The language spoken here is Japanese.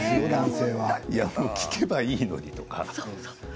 聞けばいいのにとか。